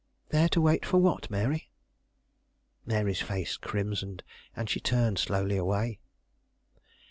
"There to wait for what, Mary?" Mary's face crimsoned, and she turned slowly away.